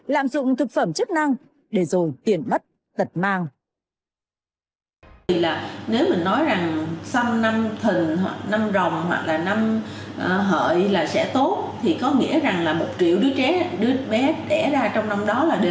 làm dụng thực phẩm chức năng để rồi tiền mất tật mang